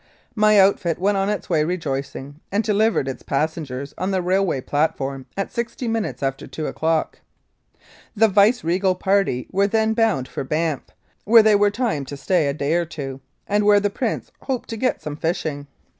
My outfit went on its way rejoicing, and delivered its passengers on the railway platform at sixty minutes after two o'clock. The viceregal party were then bound for Banff, where they were timed to stay a day or two, and where the Prince hoped to get some fishing.